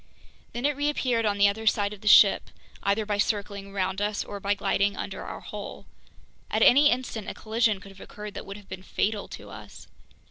Then it reappeared on the other side of the ship, either by circling around us or by gliding under our hull. At any instant a collision could have occurred that would have been fatal to us.